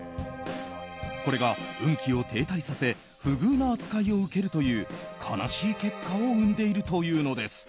これが運気を停滞させ不遇な扱いを受けるという悲しい結果を生んでいるというのです。